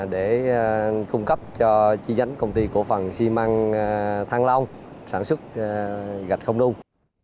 để cung cấp cho chi nhánh công ty cổ phần xi măng thăng long sản xuất gạch không nung